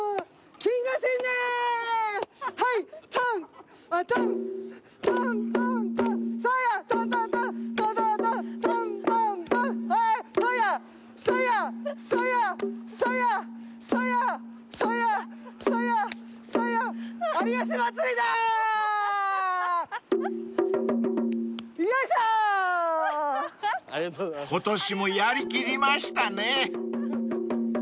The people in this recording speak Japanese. ［今年もやりきりましたね］